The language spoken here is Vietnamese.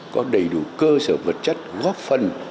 có đầy đủ cơ sở vật chất góp phần